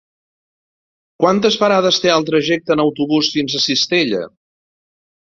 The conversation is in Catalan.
Quantes parades té el trajecte en autobús fins a Cistella?